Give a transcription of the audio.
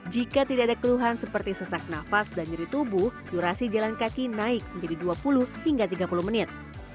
jika tidak ada keluhan seperti sesak nafas dan nyeri tubuh durasi jalan kaki naik menjadi dua puluh hingga tiga puluh menit